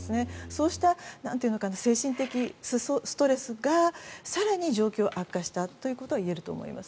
そうした精神的ストレスが更に状況を悪化したということは言えると思います。